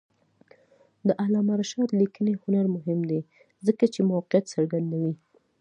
د علامه رشاد لیکنی هنر مهم دی ځکه چې موقعیت څرګندوي.